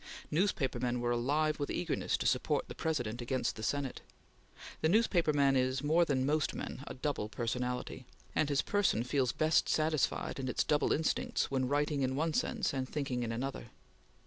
Newspaper men were alive with eagerness to support the President against the Senate. The newspaper man is, more than most men, a double personality; and his person feels best satisfied in its double instincts when writing in one sense and thinking in another.